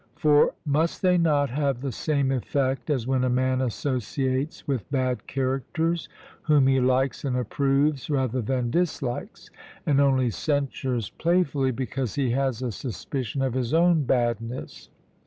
For must they not have the same effect as when a man associates with bad characters, whom he likes and approves rather than dislikes, and only censures playfully because he has a suspicion of his own badness?